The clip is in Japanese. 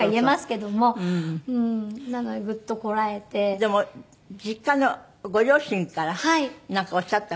でも実家のご両親からなんかおっしゃった言葉が。